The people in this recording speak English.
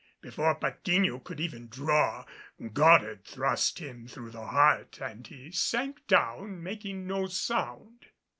Before Patiño could even draw, Goddard thrust him through the heart and he sank down, making no sound.